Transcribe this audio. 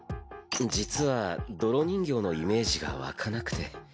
実は泥人形のイメージが湧かなくて。